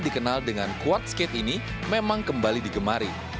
dikenal dengan quad skate ini memang kembali digemari